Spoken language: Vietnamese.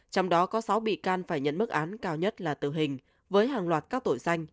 trong đó có sáu bị can phải nhận mức án cao nhất là tử hình với hàng loạt các tội danh